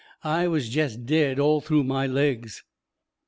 I was jest dead all through my legs.